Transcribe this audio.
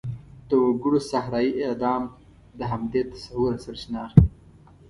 د وګړو صحرايي اعدام د همدې تصوره سرچینه اخلي.